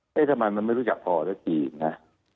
เฮ้ยถ้ามันมันไม่รู้จักพ่อแล้วจริงนะอ๋อ